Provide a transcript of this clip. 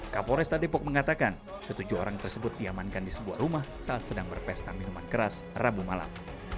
kapolresta depok mengatakan ketujuh orang tersebut diamankan di sebuah rumah saat sedang berpesta minuman keras rabu malam